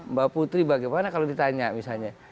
mbak putri bagaimana kalau ditanya misalnya